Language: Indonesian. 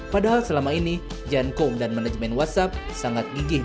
padahal selama ini jan koum dan manajemen whatsapp sangat gigih